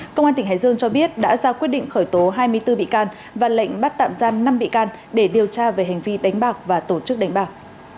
công an tỉnh hải dương cho biết đã ra quyết định khởi tố hai mươi bốn bị can và lệnh bắt tạm giam năm bị can để điều tra về hành vi đánh bạc và tổ chức đánh bạc